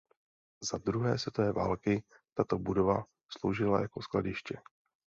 Za druhé světové války tato budova sloužila jako skladiště.